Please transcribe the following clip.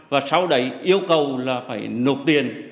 và sau đấy yêu cầu là phải nộp tiền